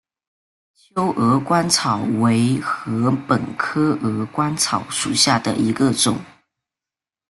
秋鹅观草为禾本科鹅观草属下的一个种。